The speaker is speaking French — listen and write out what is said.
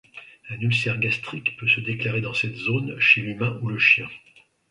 Un ulcère gastrique peut se déclarer dans cette zone chez l'humain ou le chien.